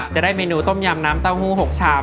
จะได้เมนูต้มยำน้ำเต้าหู้๖ชาม